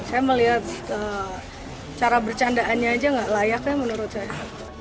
saya melihat cara bercandaannya aja nggak layaknya menurut saya